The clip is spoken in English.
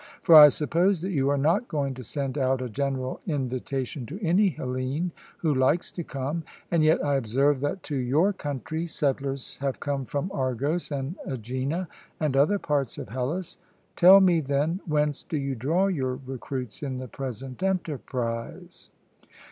For I suppose that you are not going to send out a general invitation to any Hellene who likes to come. And yet I observe that to your country settlers have come from Argos and Aegina and other parts of Hellas. Tell me, then, whence do you draw your recruits in the present enterprise?